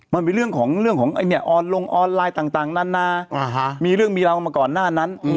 มันเป็นเรื่องของลงออนไลน์ต่างนานามีเรื่องมีราวมาก่อนหน้านั้น